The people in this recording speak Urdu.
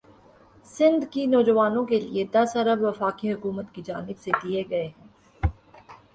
سندھ کے نواجوانوں کے لئے دس ارب وفاقی حکومت کی جانب سے دئے گئے ہیں